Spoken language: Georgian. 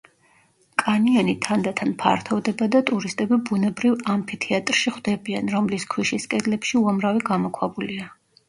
კანიონი თანდათან ფართოვდება და ტურისტები ბუნებრივ ამფითეატრში ხვდებიან, რომლის ქვიშის კედლებში უამრავი გამოქვაბულია.